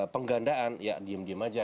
penggandaan ya diem diem aja